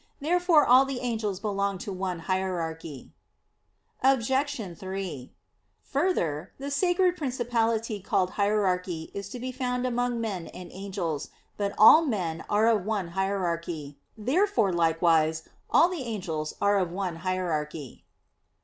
Therefore all the angels belong to one hierarchy. Obj. 3: Further, the sacred principality called hierarchy is to be found among men and angels. But all men are of one hierarchy. Therefore likewise all the angels are of one hierarchy.